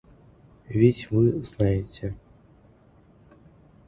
Ведь вы не знаете.